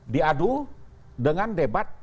diadu dengan debat